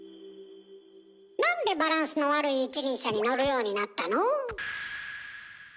なんでバランスの悪い一輪車に乗るようになったの？